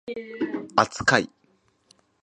扱い